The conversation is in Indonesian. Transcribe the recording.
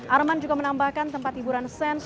armande juga menambahkan tempat hiburan sens